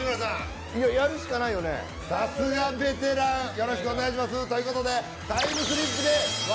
よろしくお願いしますということでタイムスリップで笑